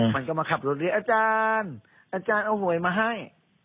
มันก็มาขับรถเรียกอาจารย์อาจารย์เอาหวยมาให้